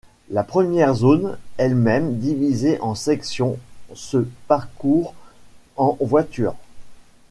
La première zone, elle-même divisée en sections se parcours en voiture.